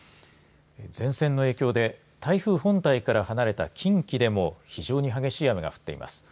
前線の影響で台風本体から離れた近畿でも非常に激しい雨が降っています。